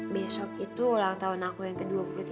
besok itu ulang tahun aku yang ke dua puluh tiga